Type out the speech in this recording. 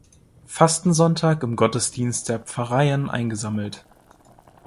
Fastensonntag im Gottesdienst der Pfarreien eingesammelt.